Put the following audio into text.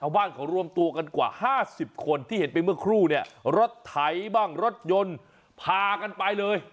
บ้านเขารวมตัวกันกว่า๕๐คนที่เห็นไปเมื่อครู่เนี่ยรถไถบ้างรถยนต์พากันไปเลย